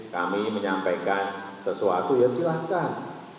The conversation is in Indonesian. kami menyampaikan sesuatu ya silahkan